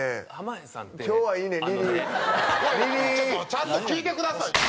ちゃんと聞いてくださいよ。